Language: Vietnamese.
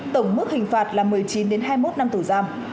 tổng mức hình phạt là một mươi chín hai mươi một năm tù giam